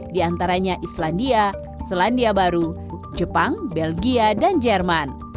diantaranya islandia selandia baru jepang belgia dan jerman